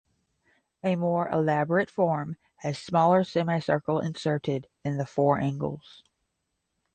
A more elaborate form has smaller semicircle inserted in the four angles.